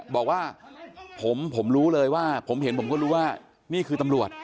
บอกว่าผมรู้เลยว่าผมเห็นผมก็รู้ว่านี่คือตำรวจ